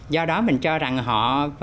do đó mình cho rằng họ